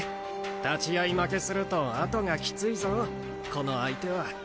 立ち合い負けすると後がキツイぞこの相手は。